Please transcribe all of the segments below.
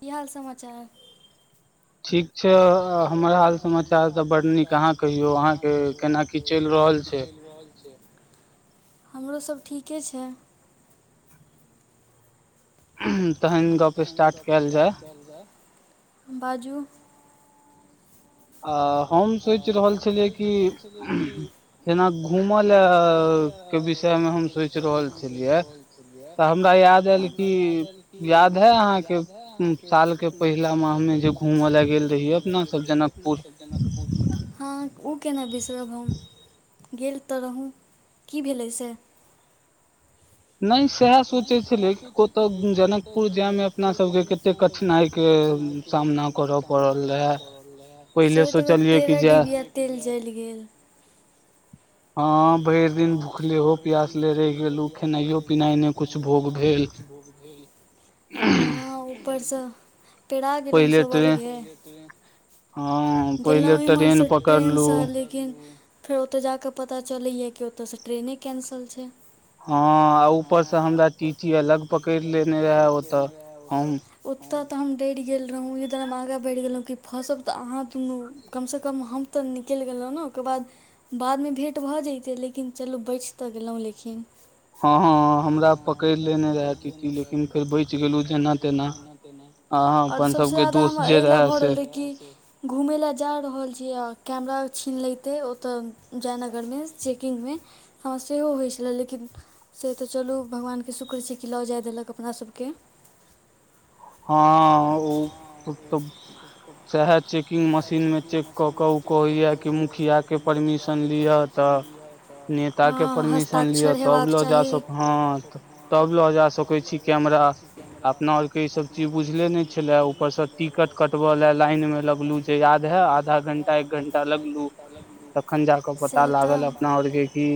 की हाल समाचार। ठीक छैय हमर हाल समाचार तऽ बड नीक अहाँ कहियौ अहाँके केना की। की चलि रहल छैय। हमरो सब ठीके छैय। [unintelligible] तहन दऽ कऽ स्टार्ट कयल जाय बाजू। आ हम सोचि रहल छलियै कि जेना घूमय लए के विषय मे हम सोचि रहल छलियै तऽ हमरा याद आयल की। याद है अहाँके, उं- साल के पहिला माह मे जे घूमो ले गेल रहियै अपना सब जेना जनकपुर हँ उ केना बिसरब हम। गेल तऽ रहुउं। कि भेलै से? नै सैहए सोचै छलियै ओत जनकपुर जाइमे अपना सबके केत्ते कठिनाइ? सैह त तेरह डिबिया तेल जइर गेल। हँ भरि दिन भूखले हो प्यासले रहि गेलु। भुखले रहि गेलु, खेनाइयो पिनाइयो नै कुछ भोग भेल। हं, ऊपरसे पेरा गेलहुँ सब अलगे। गेलौं एम्हर से ट्रेन से ले किन फेर ओत जा कऽ पता चलैया कि ओत से ट्रेने कैंसिल छै। हँ, आ ऊपर से हमरा टीटी अलग पकरि लेने रहे ओतऽ। हम ओतऽ त हम डरि गेल रहौं। इधर हम आगां बढ़ि गेल रहौं कि फंसब त अहाँ दुनू। कम से कम हम त निकलि गेलहुँ न। ओकर बाद बादमे भेट भ जैते लेकिन लेकिन चलू बचि त गेलहुँ लेकिन। हँ- हँ हमरा पकरि लेने रहे टीटी लेकिन फेर बचि गेलहुँ जेना तेना। और सभसे जादा हमरा अइ ले भ रहलै कि घूमै ले जा रहल छी आ कैमरा छीन लैते ओतअ जयनगर मे। चे किंगमे, हं सेहो होइ छले लेकिन से त चलू भगवानके शुक्र छै कि ल जाए देलक अपना सबके। हँ उ-ओत सैहए चेक किंग मशीन मे चेक कऽ क उ कहैया कि मुखिया के परमिशन लिअ त नेता के परमिशन लिअ तब ल जा सक, हँ तब ल जा सकै छी। [inaudible] अपना ओरके ई सब ई बुझले नै छले। ऊपरसँ टिकट कटब ले लाइनमे लगलूं से याद हे आ आधा घंटा एक घंटा लगलुं, तखन जाक पता लागल अपना और के कि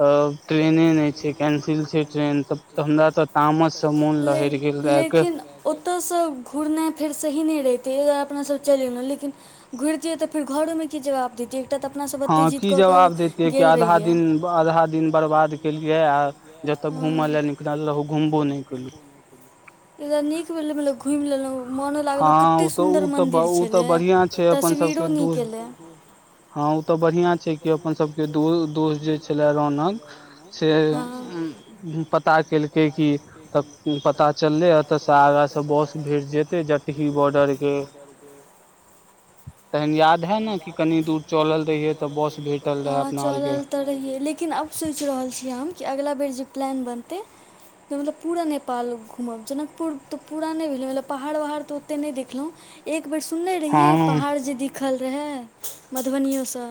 तब ट्रेने नै छै। कैंसिल छै ट्रेन त हमरा त तामस सम मून लहरि गेल रहए एक्के ओतऽ स घुरनाइ फेर सही नै रहितै, अइ दुआरे अपना सब चलि गेलौं। ले घुरितियैइ त फेर घरोमें किछ जवाब दैतियै त अपना सब ओते जिद कऽ क गेल रहिये। आधा दिन बर्बाद केलियै आ जेतऽ घूमऽ ले निकलल रहौं घूमबो नै केलि इ त नीक भेलै-भेलै घुमि लेलहुं। मोनो लागल कत्ते सुन्दर मन्दिर छलै, तस्वीरो नीक एलै। हँ ओ त बढ़िया छै कि अपन सबके दो-दोस्त जे छलै, रौनक से उं-उं पता केलकै कि त पता चललै ह त आगा स बस भेंट जेतै, जटि ही बॉर्डरके, तहन याद है न कि कनि दूर चलल रहियै। [unintelligible] हँ चलल रहियै लेकिन अब सोचि रहल छियै हम कि अगिला बेर जे प्लएन बनतै त मतलब पूरा नेपाल घूमब। जनकपुर त पूरा नै भेलै मतलब पहाड़-वहाड़ त ओतेक नै देखलहुँ। एकबेर सुननेे रहियै पहाड़ जे दिखल रहै, मधुबनियोसँ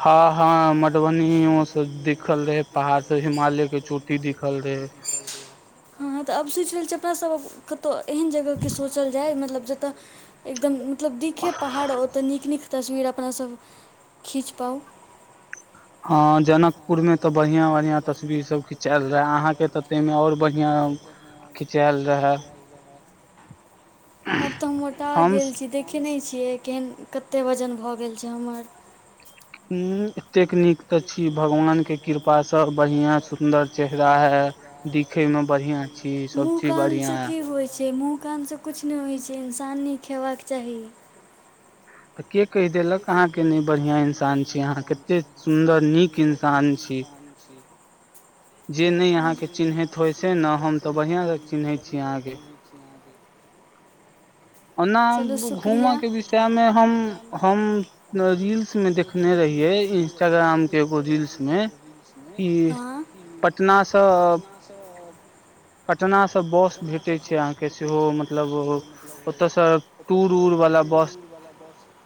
हँ-हाँ मधुबनियो से दिखल रहै पहाड़ से हिमालय के चोटी दिखल रहै। हँ त अब सुइच रहल छै अपना सब कतौ एहन जगहके सोचल जाइ, मतलब जत एकदम मतलब दिखे पहाड़ ओतऽ नीक नीक तस्वीर अपना सब खीच पाउ। हं जनकपुर में त बढ़ियां बढ़ियां तस्वीर सब खिचाएल रहै अहाँके त तै मे और बढ़ियां खिचाएल रहै। आब त हम मोटा गेल छी देखै नै छियै केहन कते वजन भ गेल छै हमर। उं एतेक नीक त छी भगवान के कृपा सं बढ़ियां सुंदर चेहरा ऐ। देखै में बढ़िया छी सब चीज बढ़ियां। होइ छै मुँह कानसँ किछु नहि होइ छै इन्सान नीक हेबाक चाही। के कहि देलक अहाँ के नहि बढ़िया इंसान छी? अहाँ कते सुंदर नीक इन्सान छी। जे नहि अहाँके चिन्हैत होय से ने हम तऽ बढ़िआंसँ चिन्हैत छी अहाँके। ओना घूमऽ के विषय मे हम -हम रील्स में देख ने रहियै इंस्टाग्रामके एगो रील्स मे कि पटनासँ तऽ पटना स बस भेटै छै अहाँके सेहो मतलब ओतयसँ [inaudible]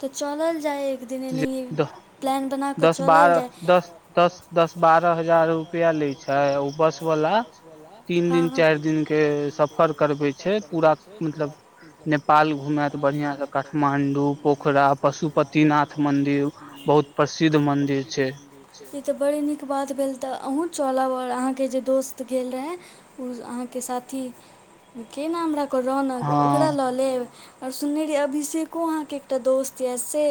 तऽ चलल जाय एक दिन एनाहियए प्लान बना कऽ चलल जाय। दस दस बारह हजार रुपआ ले छै ओ बस वला। तीन दिन चारि दिनके सफर करबै छै पूरा मतलब नेपाल घुमेत बढ़िया सऽ काठमांडु पोखरा पशुपति नाथ। देव मन्दिर बहुत प्रसिद्ध मदिर छै। ई तऽ बड़ नीक बात भेल तऽ अहहुूँ चलब आओर अहाँके जे दोस्त गेल रहै अहाँके साथी के नाम रहै ओकरा रौनक ओकरा लऽ लेब आओर सुननेे रहियै अभिषेको अहाँके एकटा दोस्त यऽ से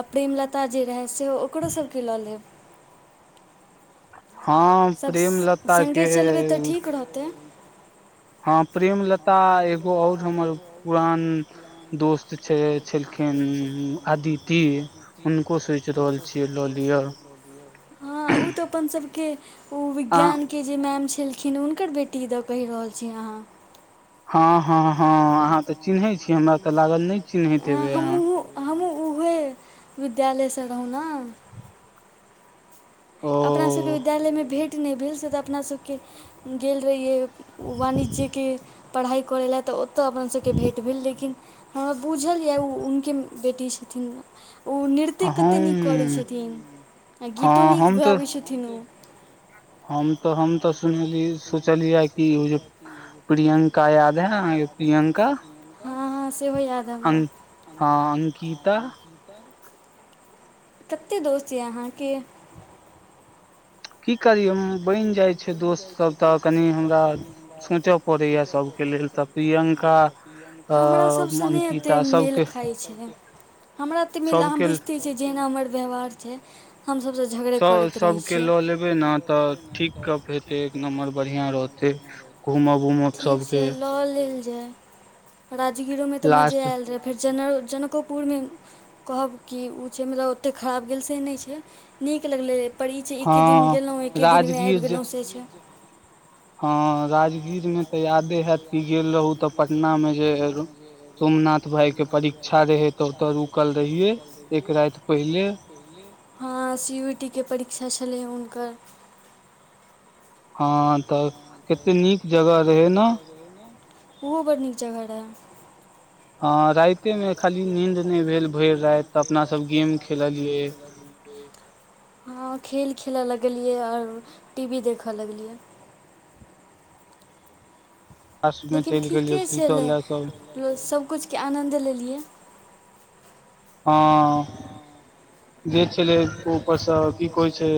आ प्रेमलता जे रहै सेहो ओकरो सबके लऽ लेब। सभ सङ्गे चलबै तऽ ठीक रहतै। हँ प्रेम लता एगो और हमर पुरान दोस्त छै छलखिन अदिति हुनको सोच रहल छियै लऽ लियअ। हँ ओ तऽ अपन सबके ओ विज्ञान के जे मैम छलखिन हुनकर बेटी दऽ कहि रहल छी अहाँ? हँ हँ हँ अह ते चिन्है छी हमरा ते लागल नहि हम -हमहहुँ उहे विद्यालयसँ रहौ ने। अपनासभके विद्यालयमे भेँट नहि भेल से तऽ अपनासभके गेल रहियै। वाणिज्यके पढ़ाइ करय लेल तऽ ओतय अपनना सभके भेँट भेल लेकिन हॉ बुझल ये उ उनके बेटी छथिन उ नृ त्य कते कते नीक करैत छथिन आ गीतो नीक गाबैत छथिन ओ। हम तऽ हम तऽ सुनली सोचलियै कि ओ जे प्रियंका याद है अहाँके प्रियंका? अ हँ अंकिता? कते दोस्त यऽ अहाँके? [inaudible] हमरा सभसँ नहि एतेक मेल खाइ छै। हमरा तऽ मिल अहाँ बुझिते छियै जेहना हमर व्यवहार छै। हमसभ तऽ झगड़े करैत रहै छियै। एनातऽ ठीक गप हेते, एक नम्बर बढ़िया रहते घूम मे। ठीक छै लऽ लेल जाय, राजगीरोमे तऽ मजे आयल रहय। जेना, जनक जनकोपुरमे- कहब कि, ओ छै मतलब ओतेक खराब गेल से नहि छै नीक लगलै। पर ई छै, एके दिन गेलहुँ, एके दिनमे आबि गेलहुँ से छै। हँ। राजगीर मे तऽ यादे हयत कि गेल रहू तऽ, पटना मे जे सोमनाथ भााय के परि च्छा रहै तऽ ओतऽ रुकल रहियै, एक राति पहिले। हँ, सी यू टी के परीक्षा छलै हुनकर। हँ तऽ, कते नीक जगह रहै ने। ओहो बड़ नीक जगह रहै। अ रााते मे खाली नींद नहि भेल, भरि राति तऽ अपना सब गेम खेललियै। हँ खेल खेलऽ लगलियै, आओर टी वी देखऽ लगलियै। लेकिन ठीके छलय, सबकिछुके आनन्द लेलियै। हँ। जे के लेल ऊपर से की कहै छै,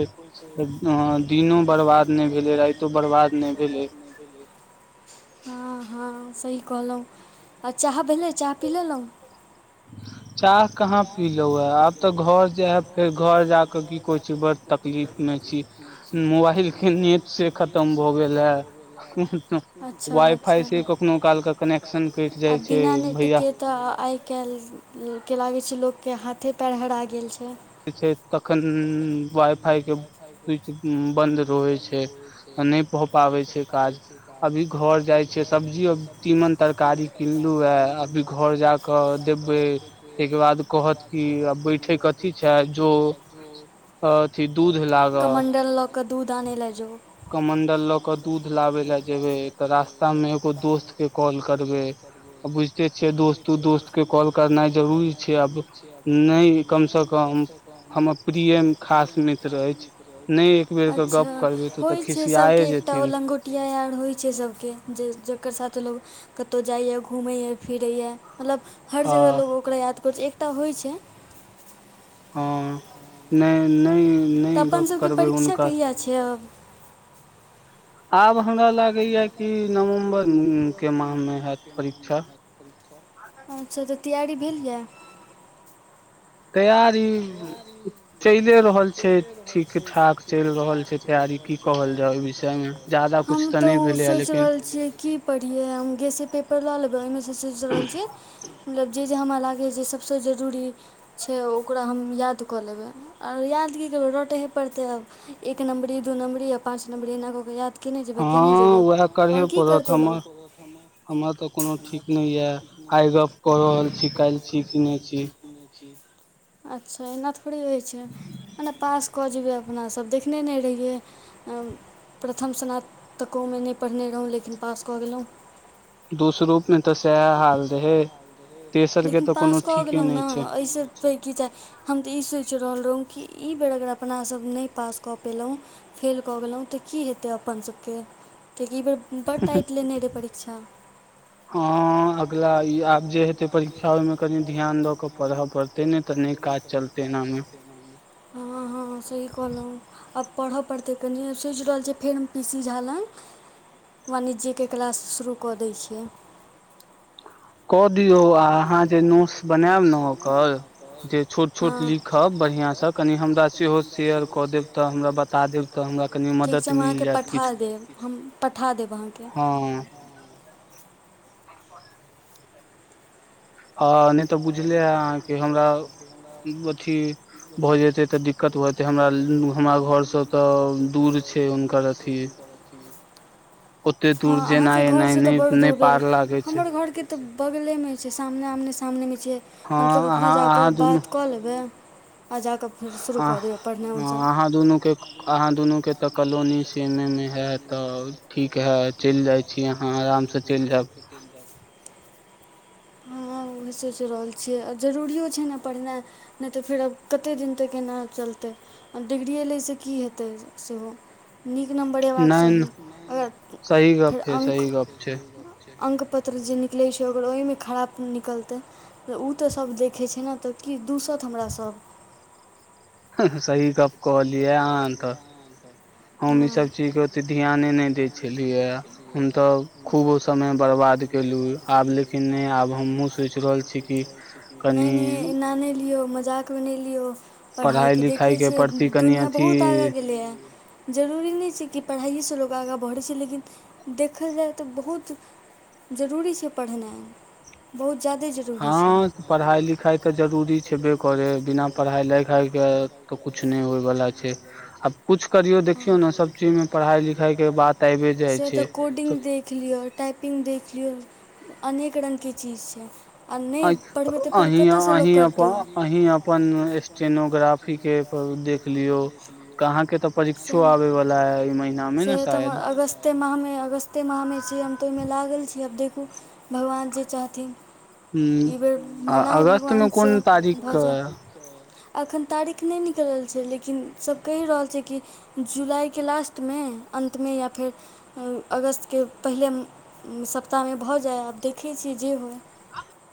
दिनो बर्बाद नहि भेले, रातियो बर्बाद नहि भेलय। जी! जी! [inaudible] हँ -हँ सही कहलहुँ, आ चाह भेलै चाह पी लेलहुँ? चाह! कहा पीलो हन, आब ते घऽर जायब फेर घऽर जाके की कहय छी, बड तकलीफ मे छी। मोबाइल के नेट से खतम भऽ गेल हें। अच्छा! अच्छा! आ बिना नेटके तऽ आइ काल्हिके लागै छै लोकके, हाथे पैर हरा गेल छै। छै, तखन वाइ -फाई के स्वीच बन्न रऽहय छै। आ नय भऽ पाबय छै काज, अभी घऽर जाय छी, सब्ज़ियो-उब्जीयो तरकारी किनलुॅं ये, अभी घऽर जाकऽ देबे, ताहिके बाद कहत की आब बैठे कथी छै, जो अथी दूध लागऽ। केन लऽ कऽ दूध आनै लए जाउ। कमंडल लऽ क दूध लाबे लए जेबे, तऽ रास्ता में एगो दोस्त के कॉल करबय। आ बुझिते छियै दोस्तो, दोस्त के कॉल करनाइ जरूरी छै आब नहि कमसँ कम, हमर प्रियम खास मित्र अछि, नहि अच्छा होइ छै, सबके एकटा होला गोटिया यार होइ छै सभके, जे जकर साथ लोग कतहु जाइए घूमैए-फिरैए, मतलब हर जगह लोक ओकरा याद करैत छै, एकटा होइत छै। हँ, नहि -नहि नहि गप करबै, हुनका किया? आब हमरा लागैए कि, नवम्बरके माहमे होयत परीक्षा। अच्छा! तऽ तैयारी भेल यऽ। तैयारी चलिए रहल छै, ठीके-ठाक चलि रहल छै। हम तऽ ओ सोचि रहल छियै। की पढ़ियै, हम गेसे पेपर लऽ लेबै, ओहिमेसँ सोचि रहल छी मतलब जे -जे हमरा लागैए जे, सभसँ जरूरी छै, ओकरा हम याद कऽ लेबै। आओर याद की करबै, रटहे पड़तै आब एक नम्री, दू नम्बरी, आ पाँच नम्बरी, एना कऽ कऽ याद कर कने जेबै, केने जेबै, आओर की करतै लोक हमरा तऽ कोनो ठीक नहि ये आइ गप कऽ रहल छी, काल्हि छी की नहि छी। अच्छा, एना थोड़े होइ छै, मने पास कऽ जेबै आब हमरा सभ देखने नहि रहियै प्रथम स्नातकोमे नहि पढ़ने रहौँ लेकिन पास कऽ गेलहुँ। लेकिन पास कऽ गेलहुँ ने एहिसे छै कि ते, हम तऽ ई सोचि रहलौं कि ई बेर अगर अपना सभ नहि पास कऽ पेलहुँ फेल कऽ गेलहुँ तऽ की हेतै अपन सभके कियाकि ई बेर बड टाइट लेने रहै परीक्षा। हं अगला ई आब जे हेतै परीक्षा ओहिमे कनि ध्यान दऽ कऽ पढ़य पड़तै नै तऽ नै काज चलतै एनामे हँ हँ सही कहलहुँ। आब पढ़य पड़तै कनि, सोचि रहल छियै फेर हम कनि पी सी झा लग वाणिज्यके क्लास शुरू कऽ दै छियै। कऽ दियौ आ अहाँ जे नोट्स बनायब ने ओकर जे छोट छोट लिखब बढ़िया से कनि हमरा सेहो शेयर कऽ देब, तऽ हमरा बता देब तऽ हमरा कनि मदत मिल जायत। पठा देब हम। पठा देब अहाँके। हँ। आ नहि तऽ बुझले अय अहाॅंके हमरा अथी भऽ जेते तऽ दिकत भऽ जेतै, हमरा घर से तऽ दूर छै हुन कर अथि। हँ अहाँके घरसँ तऽ बड़ दूर भेल, हमर घरके तऽ बगलेमे छै, सामने आमने सामनेमे छै। हम तऽ कखनहु जा कऽ बात कऽ लेबै आ जा कऽ आ अहाँ दुनू के अहाँ दुनूके तऽ कलोनी सेमे मे हयत तऽ ठीक हैत। चलि जाइ छी अहाँ, आरामसँ चलि जायब। हँ ओहे सोचि रहल छियै आ जरूरियो छै ने पढ़नाइ। नहि तऽ फेर आब कतेक दिन तक एना चलतै। आ डिग्रिए लैसँ की हेतै सेहो। नीक नम्बर अयबाक चाही, अगर फेर अङ्क। अङ्क पत्र जे निकलैत छै, ओहिमे खराब निकलतै तऽ ओ तऽ सभ देखैत छै ने तऽ की दूसत हमरा सभ। सही गप कहलियै अहां तऽ। हम ई सब चीज के ओते ध्याने नहि दै छलियै हे। हम तऽ खूब समय बर्बाद केलहुँ, आब लेकिन नहि आब हमहूँ सोचि रहल छी कि कनी जाने लियौ मजाक मे नै लियौ पढ़ाइके देखै छियै दुनिया बहुत आगाँ गेलैए। जरूरी नहि छै कि पढ़ाइएसँ लोक आगाँ बढ़ै छै लेकिन देखल जाय तऽ बहुत जरूरी छै पढ़नाइ बहुत जादे जरू हँ पढ़ाइ लिखाइ तऽ जरूरी छेबे करै, बिना पढ़ाइ लिखाइके तऽ कुछ नहि होय वला छै आब किछु करियौ से तऽ कोडिंग देख लिअ। टाइपिंग देख लियौ अनेक रंगके चीज छै। अ अहीं अहीं अहीं अप अपन स्टेनोग्राफिके देख लियौ कहाँकै त परीक्षो आबे वला एय इ महीनामे ने शायद। सते माहमे अगस्ते माहमे छैय हम त ओयमे लागल छी आब देखू भगवान जे चाहथिन। इ बेर मनाउ भगवान सऽ भ जाय। अखन तारीख नै निकलल छैय लेकिन सब कहि रहल छैय कि जुलाइके लास्टमे अन्तमे या फेर अगस्तके पहिले सप्ताहमे भ जाइ आब देखै छियै जे होय।